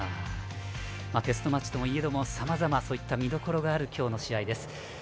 テストマッチといえどもさまざまいろいろ見どころのある今日の試合です。